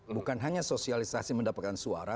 bukan hanya sosialisasi mendapatkan suara